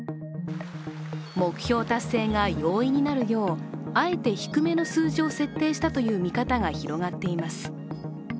目標達成が容易になるようあえて低めの数字を設定したという見方が広がっています。